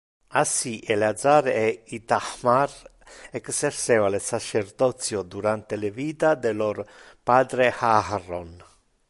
Assi Eleazar e Ithamar exerceva le sacerdotio durante le vita de lor patre Aharon.